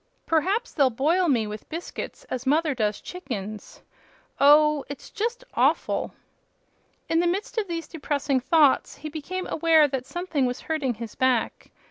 Perhaps they'll boil me, with biscuits, as mother does chickens. Oh h h h h! It's just awful!" In the midst of these depressing thoughts he became aware that something was hurting his back.